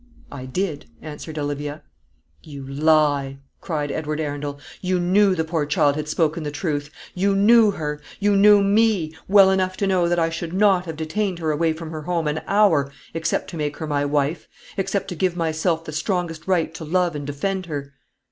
"I did," answered Olivia. "You lie!" cried Edward Arundel. "You knew the poor child had spoken the truth. You knew her you knew me well enough to know that I should not have detained her away from her home an hour, except to make her my wife except to give myself the strongest right to love and defend her."